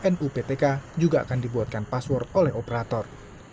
nuptk juga akan dibuatkan password oleh operator